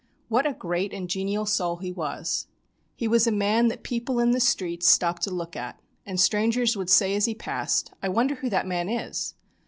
What a great and genial soul he was! He was a man that people in the streets stopped to look at, and strangers would say as he passed, "I wonder who that man is?"